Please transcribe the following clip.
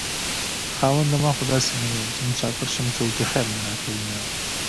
خاونده ما خو داسې نه وېل چې مساپر شم څوک دې خير نه راکوينه